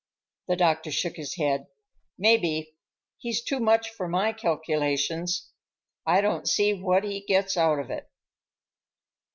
The doctor shook his head. "Maybe. He's too much for my calculations. I don't see what he gets out of it."